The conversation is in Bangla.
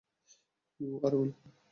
You are ওয়েল-কাম!